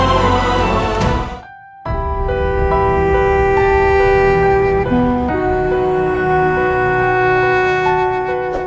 dan bertemu dengannya ya allah